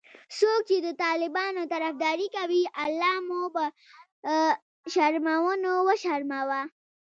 څوک چې د طالبانو طرفدارې کوي الله مو به شرمونو وشرموه😖